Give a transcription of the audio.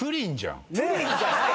プリンじゃない！